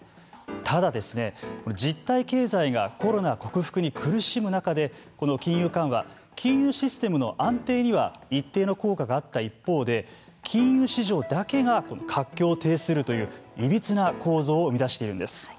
ただですね、実体経済がコロナ克服に苦しむ中でこの金融緩和金融システムの安定には一定の効果があった一方で金融市場だけが活況を呈するといういびつな構造を生み出しているのです。